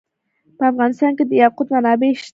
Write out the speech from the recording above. په افغانستان کې د یاقوت منابع شته.